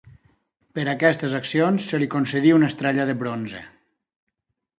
Per aquestes accions se li concedí una Estrella de Bronze.